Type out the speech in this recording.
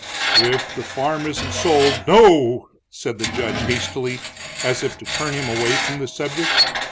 "If the farm isn't sold " "No," said the judge hastily, as if to turn him away from the subject.